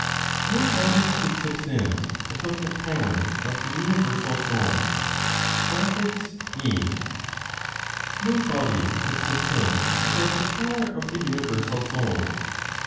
NO BODY COULD SUBSIST WITHOUT THE POWER OF THE UNIVERSAL SOUL. (e.) (No body could subsist without the power of the universal soul.)